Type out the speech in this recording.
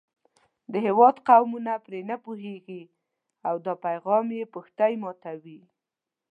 د هېواد قومونه پرې نه پوهېږي او دا پیغام یې پښتۍ ماتوي.